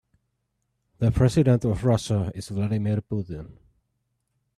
The president of Russia is Vladimir Putin.